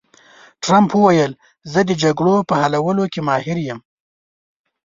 ټرمپ وویل، زه د جګړو په حلولو کې ماهر یم.